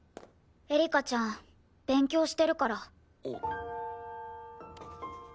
エリカちゃん勉強してるから。